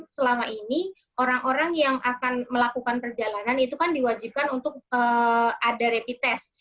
selama ini orang orang yang akan melakukan perjalanan itu kan diwajibkan untuk ada rapid test